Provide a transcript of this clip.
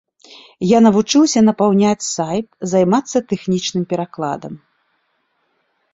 Я навучыўся напаўняць сайт, займацца тэхнічным перакладам.